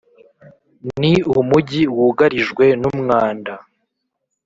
. Ni umujyi wugarijwe. Numwanda